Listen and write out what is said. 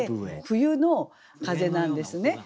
冬の風なんですね。